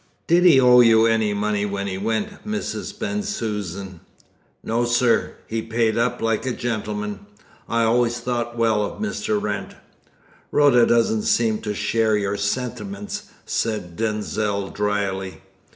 "Did he owe you any money when he went, Mrs. Bensusan?" "No, sir. He paid up like a gentleman. I always thought well of Mr. Wrent." "Rhoda doesn't seem to share your sentiments," said Denzil drily.